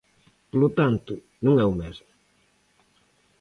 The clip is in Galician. Polo tanto, non é o mesmo.